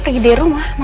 pergi dari rumahnya